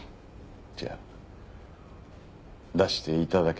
じゃあ出して頂けますか？